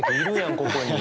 ここに。